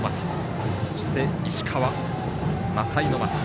そして、石川。